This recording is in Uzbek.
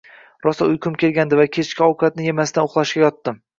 Rosa uyqum kelgandi va kechki ovqatni yemasdan uxlashga yotdim